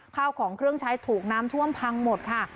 ข้าวของเครื่องใช้ถูกน้ำท่วมพังหมดค่ะ